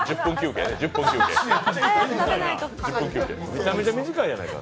めちゃくちゃ短いやないか。